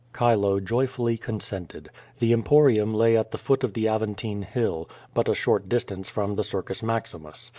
Chilo joyfully consented. The Emporium lay at the foot of the Aventine Hill, but a short distance from the Circus Maximus.